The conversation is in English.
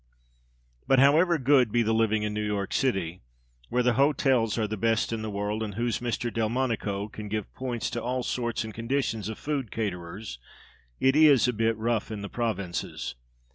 But however good be the living in New York City where the hotels are the best in the world, and whose Mr. Delmonico can give points to all sorts and conditions of food caterers it is "a bit rough" in the provinces.